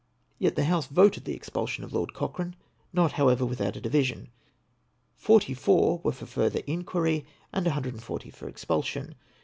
Yet the House voted the expulsion of Lord Cochrane, not however without a division. Forty four were for further inquiry, and 140 for expulsion.